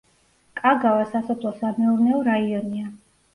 კაგავა სასოფლო-სამეურნეო რაიონია.